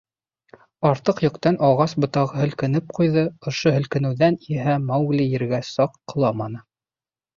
Артыҡ йөктән ағас ботағы һелкенеп ҡуйҙы, ошо һелкенеүҙән иһә Маугли ергә саҡ ҡоламаны.